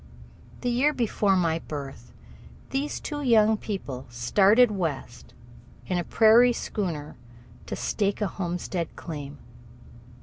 The year before my birth these two young people started West in a prairie schooner to stake a homestead claim.